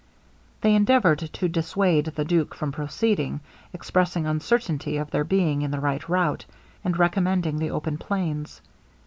They endeavoured to dissuade the duke from proceeding, expressing uncertainty of their being in the right route, and recommending the open plains.